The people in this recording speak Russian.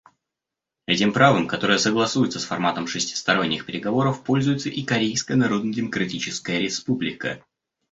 Этим правом, которое согласуется с форматом шестисторонних переговоров, пользуется и Корейская Народно-Демократическая Республика.